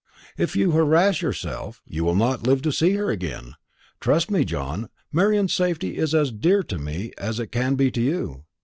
"If you harass yourself, you will not live to see her again. Trust in me, John; Marian's safety is as dear to me as it can be to you.